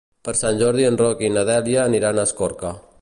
Per Sant Jordi en Roc i na Dèlia aniran a Escorca.